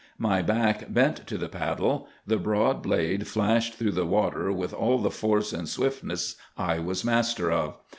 My back bent to the paddle. The broad blade flashed through the water with all the force and swiftness I was master of.